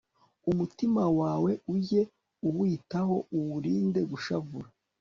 umutima wawe ujye uwitaho, uwurinde gushavura